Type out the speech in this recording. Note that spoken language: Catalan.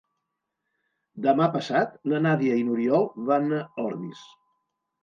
Demà passat na Nàdia i n'Oriol van a Ordis.